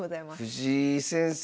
藤井先生